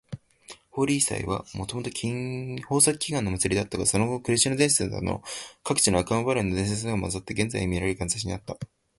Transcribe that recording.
ホーリー祭はもともと豊作祈願の祭りであったが、その後クリシュナ伝説などの各地の悪魔払いの伝説などが混ざって、現在みられる形になった。